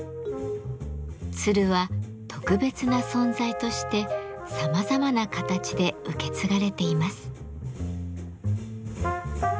鶴は特別な存在としてさまざまな形で受け継がれています。